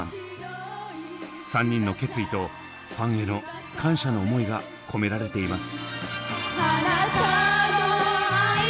３人の決意とファンへの感謝の思いが込められています。